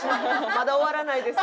まだ終わらないです。